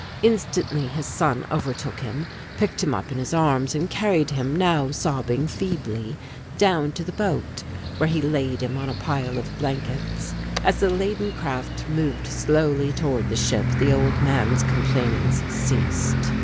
Instantly his son overtook him, picked him up in his arms, and carried him, now sobbing feebly, down to the boat, where he laid him on a pile of blankets. As the laden craft moved slowly toward the ship the old man's complainings ceased.